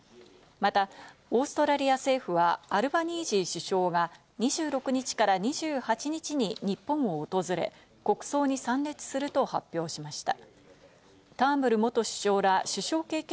またオーストラリア政府はアルバニージー首相が２６日から２８日に日本を訪れ、国葬に参列すると発表しました。